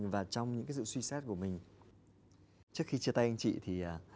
với anh chị thì